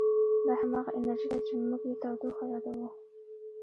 دا همغه انرژي ده چې موږ یې تودوخه یادوو.